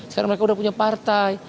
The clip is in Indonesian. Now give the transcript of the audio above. sekarang mereka sudah punya partai